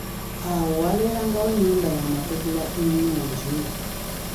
Awo waabeerangawo ennyumba y'amategula ennungi.